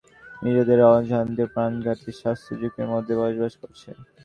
এসব শহরের কয়েক কোটি মানুষ নিজেদের অজান্তে প্রাণঘাতী স্বাস্থ্যঝুঁকির মধ্যে বসবাস করছে।